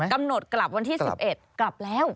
กำหนดกลับวันที่๑๑กลับแล้ว